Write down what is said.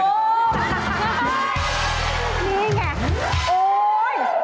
นี่ไง